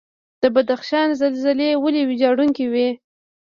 د بدخشان زلزلې ولې ویجاړونکې وي؟